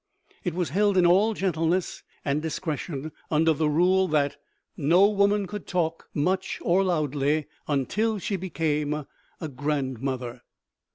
It was held in all gentleness and discretion, under the rule that no woman could talk much or loudly until she became a grandmother.